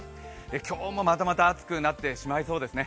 今日もまた暑くなってしまいそうですね。